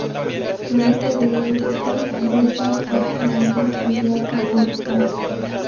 Producto de esto deja Katmandú y viaja a Nepal.